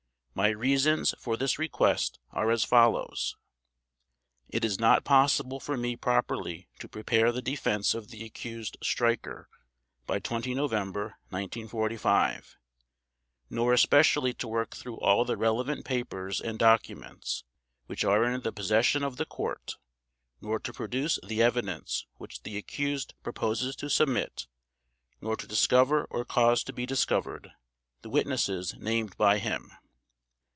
My reasons for this request are as follows: It is not possible for me properly to prepare the defense of the accused Streicher by 20 November 1945, nor especially to work through all the relevant papers and documents which are in the possession of the Court nor to produce the evidence which the accused proposes to submit nor to discover or cause to be discovered the witnesses named by him.